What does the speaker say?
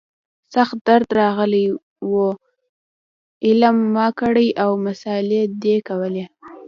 سخت درد راغلى و علم ما کړى او مسالې ده کولې.